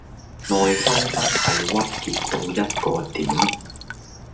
內心真係鬱結到一個點